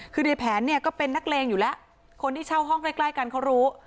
คือในแผนเนี่ยก็เป็นนักเลงอยู่แล้วคนที่เช่าห้องใกล้ใกล้กันเขารู้